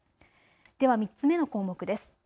では３つ目の項目です。